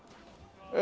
え